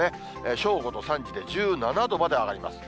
正午と３時で１７度まで上がります。